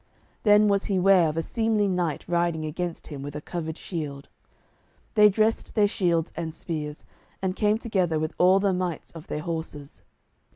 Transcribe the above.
Then was he ware of a seemly knight riding against him with a covered shield. They dressed their shields and spears, and came together with all the mights of their horses.